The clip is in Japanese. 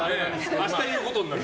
明日、言うことになる。